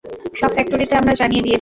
সব ফ্যাক্টরিতে আমরা জানিয়ে দিয়েছি।